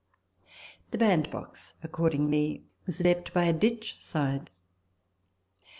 " The bandbox accordingly was left by a ditch side.